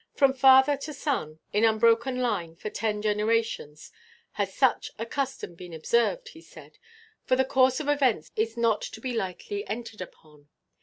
"From father to son, in unbroken line for ten generations, has such a custom been observed," he said, "for the course of events is not to be lightly entered upon.